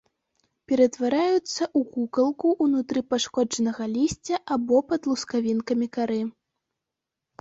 Ператвараюцца ў кукалку ўнутры пашкоджанага лісця або пад лускавінкамі кары.